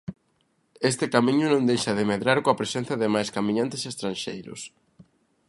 Este camiño non deixa de medrar coa presenza de máis camiñantes estranxeiros.